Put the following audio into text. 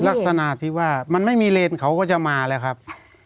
ลักษณะที่ว่ามันไม่มีเลนเขาก็จะมาแล้วครับ